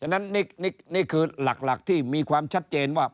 นั้นนี่คือหลักที่มีความชัดเจนว่า